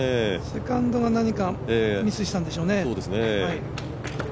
セカンドが何かミスしたんでしょうね。